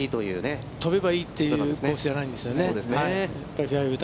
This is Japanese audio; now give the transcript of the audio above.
やっぱり飛べばいいというコースじゃないんですよね。